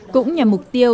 cũng nhằm mục tiêu